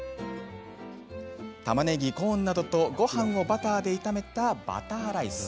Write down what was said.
たまねぎ、コーンなどとごはんをバターで炒めたバターライス。